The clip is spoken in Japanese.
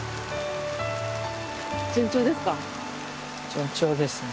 順調ですか？